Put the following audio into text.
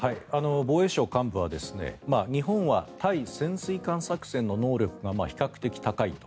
防衛省幹部は日本は対潜水艦作戦の能力が比較的高いと。